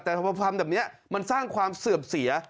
แต่พอทำแบบนี้มันสร้างความเสื่อมเสีย